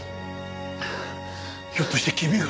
ひょっとして君が？